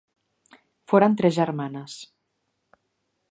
Foren tres germanes: